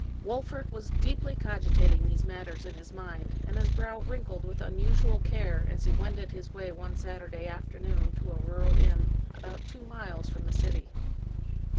Wolfert was deeply cogitating these matters in his mind, and his brow wrinkled with unusual care, as he wended his way one Saturday afternoon to a rural inn, about two miles 170 Washington Irving from the city.